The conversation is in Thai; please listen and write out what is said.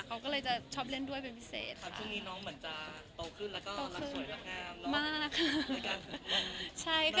เขาก็เลยจะชอบเล่นด้วยเป็นพิเศษจะต้องนิ้วแบบเบอร์